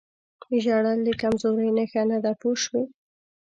ژړل د کمزورۍ نښه نه ده پوه شوې!.